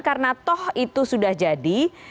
karena toh itu sudah jadi